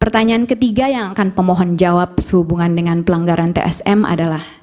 pertanyaan ketiga yang akan pemohon jawab sehubungan dengan pelanggaran tsm adalah